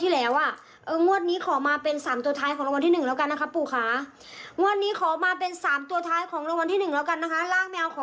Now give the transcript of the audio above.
แหมที่นี้โชว์ได้นะ